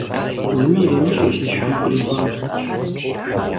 Зыми иремыщӀэ си щхьэм кърикӀуар.